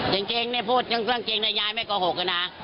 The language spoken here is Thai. จริงพูดจริงแต่ยายไม่โกหกนะ